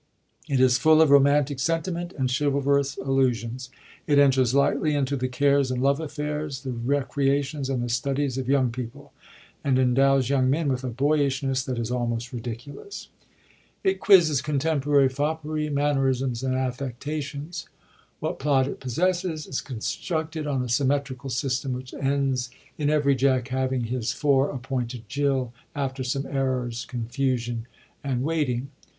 It is full of romantic sentiment and chivalrous allusions. It enters lightly into the cares and love affairs, the recreations and the studies of young people, and endows young men with a boyishness that is almost ridiculous. It quizzes 90 REVIEW OF THE FIRST PERIOD contemporary foppery, mannerisms and affectations. What plot it possesses, is constructed on a symmetrical system which ends in every Jack having his fore appointed Jill, after some errors, confusion and wait, ing.